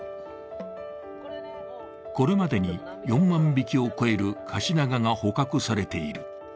これまでに４万匹を超えるカシナガが捕獲されている。